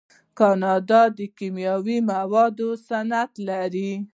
کاناډا د کیمیاوي موادو صنعت لري.